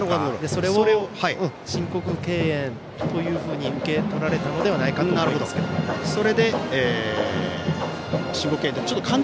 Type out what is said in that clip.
それを申告敬遠というふうに受け取られたということではないでしょうか。